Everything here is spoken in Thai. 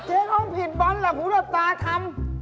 เจ๊ข้องผิดบันหลังหูดอับตาทำ